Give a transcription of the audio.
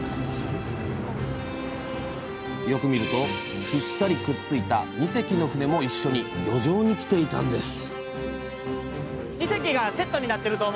よく見るとピッタリくっついた２隻の船も一緒に漁場に来ていたんです